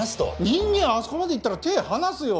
人間あそこまでいったら手離すよ。